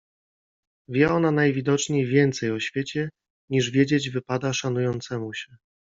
- Wie ona najwidoczniej więcej o świecie, niż wiedzieć wypada szanującemu się